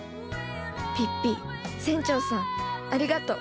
ピッピ船長さんありがとう。